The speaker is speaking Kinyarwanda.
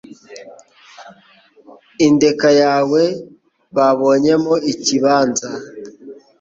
Indeka yawe babonyemo ikibanza